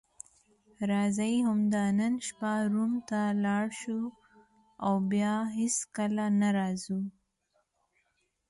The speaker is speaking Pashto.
راځئ همدا نن شپه روم ته ولاړ شو او بیا به هیڅکله نه راځو.